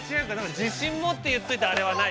自信持って言ってて、あれはない。